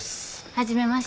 初めまして。